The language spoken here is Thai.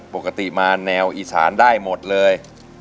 ปกติมาแนวอีสานได้หมดเลย